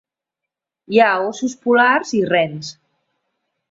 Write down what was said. Hi ha óssos polars i rens.